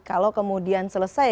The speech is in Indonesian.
kalau kemudian selesai